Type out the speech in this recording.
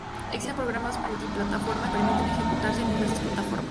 Existen programas multiplataforma que permiten ejecutarse en diversas plataformas.